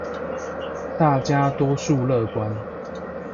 大家多數樂觀